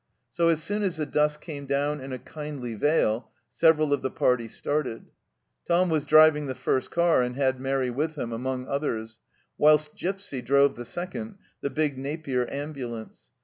So as soon as the dusk came down in a kindly veil several of the party started. Tom was driving the first car, and had Mairi with him, among others ; whilst Gipsy drove the second, the big Napier ambulance.